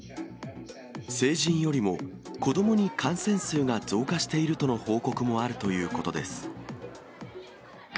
成人よりも子どもに感染数が増加しているとの報告もあるということです。